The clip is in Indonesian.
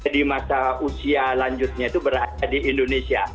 di masa usia lanjutnya itu berada di indonesia